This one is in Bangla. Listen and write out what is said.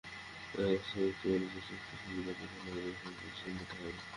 এ অবস্থায় মুক্তবাণিজ্য চুক্তির সুবিধা পেতে হলে আমাদের এখনই প্রস্তুতি নিতে হবে।